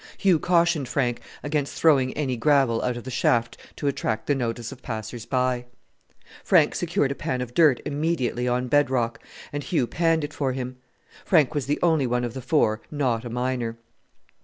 Hugh cautioned Frank against throwing any gravel out of the shaft to attract the notice of passers by. Frank secured a pan of dirt immediately on bed rock, and Hugh panned it for him. Frank was the only one of the four not a miner.